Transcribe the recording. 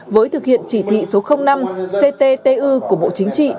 với thực hiện chỉ thị số năm cttu của bộ chính trị